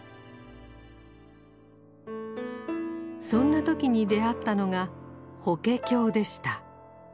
そんな時に出会ったのが法華経でした。